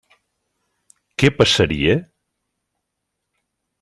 Què passaria?